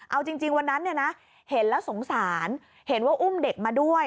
เอาจริงวันนั้นเนี่ยนะเห็นแล้วสงสารเห็นว่าอุ้มเด็กมาด้วย